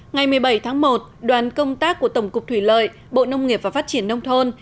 ngày một mươi bảy tháng một đoàn công tác của tổng cục thủy lợi bộ nông nghiệp và phát triển nông thôn